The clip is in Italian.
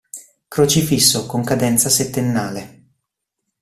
Crocifisso, con cadenza settennale.